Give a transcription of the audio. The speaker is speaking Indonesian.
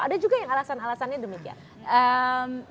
ada juga yang alasan alasannya demikian